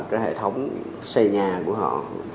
cái hệ thống xây nhà của họ